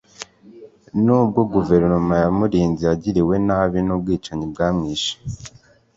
Nubwo guverinoma yamurinze yagiriwe nabi nubwicanyi bwamwishe